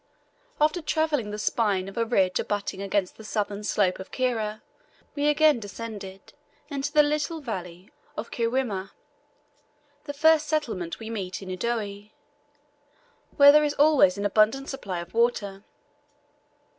After travelling the spine of a ridge abutting against the southern slope of Kira we again descended into the little valley of Kiwrima, the first settlement we meet in Udoe, where there is always an abundant supply of water.